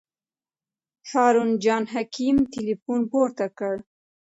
هارون جان حکیمي تیلفون پورته کړ.